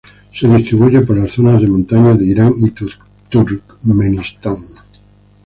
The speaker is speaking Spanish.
Se distribuye por las zonas de montaña de Irán y Turkmenistán.